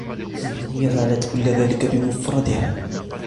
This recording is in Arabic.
هي فعلت كل ذلك بمفردها.